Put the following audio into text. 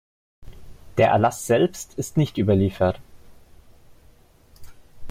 Der Erlass selbst ist nicht überliefert.